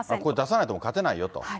これ出さないと勝てないよと。